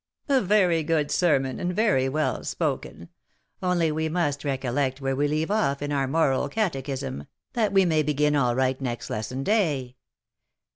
A very good sermon, and very well spoken! Only we must recollect where we leave off in our moral catechism, that we may begin all right next lesson day.